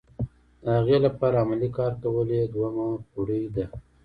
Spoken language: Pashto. د هغې لپاره عملي کار کول یې دوهمه پوړۍ ده.